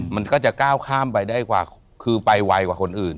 มันก็จะก้าวข้ามไปได้กว่าคือไปไวกว่าคนอื่น